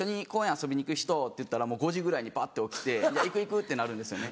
遊びに行く人？って言ったら５時ぐらいにバッて起きて行く行く！ってなるんですよね。